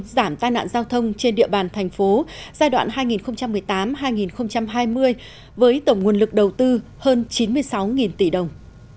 giảm tai nạn giao thông trên địa bàn thành phố giai đoạn hai nghìn một mươi tám hai nghìn hai mươi với tổng nguồn lực đầu tư hơn chín mươi sáu tỷ đồng